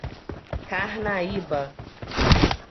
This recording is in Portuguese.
Carnaíba